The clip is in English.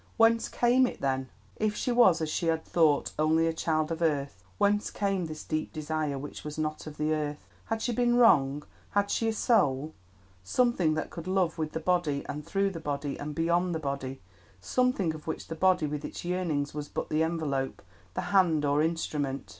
Whence came it, then? If she was, as she had thought, only a child of earth, whence came this deep desire which was not of the earth? Had she been wrong, had she a soul—something that could love with the body and through the body and beyond the body—something of which the body with its yearnings was but the envelope, the hand or instrument?